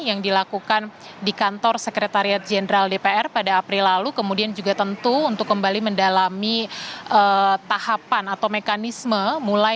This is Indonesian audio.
pemeriksaan terkait dengan dokumen pengerjaan proyek kemudian juga bukti transfer keuangan yang ditemukan oleh penyidik kpk